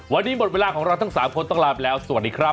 วันนี้หมดเวลาของเราทั้ง๓คนต้องลาไปแล้วสวัสดีครับ